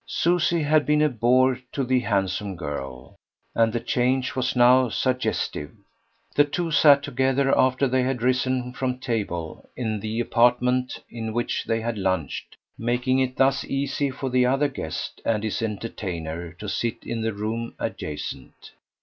Susie had been a bore to the handsome girl, and the change was now suggestive. The two sat together, after they had risen from table, in the apartment in which they had lunched, making it thus easy for the other guest and his entertainer to sit in the room adjacent.